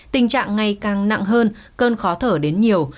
tình trạng ngày càng nặng hơn cơn khó thở đến nhiều